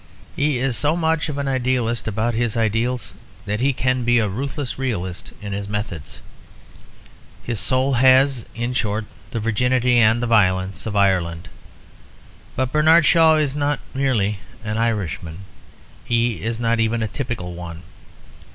He is so much of an idealist about his ideals that he can be a ruthless realist in his methods. His soul has (in short) the virginity and the violence of Ireland. But Bernard Shaw is not merely an Irishman; he is not even a typical one.